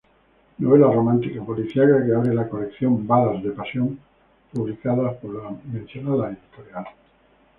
Novela romántica-policíaca que abre la colección "Balas de Pasión" publicada por la mencionada editorial.